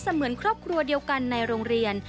เหมือนครอบครัวเดียวกันในโรงเรียน